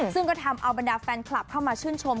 ซึ่งก็ทำเอาบรรดาแฟนคลับเข้ามาชื่นชม